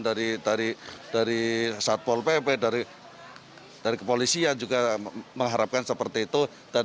dari satpol pp dari kepolisian juga mengharapkan seperti itu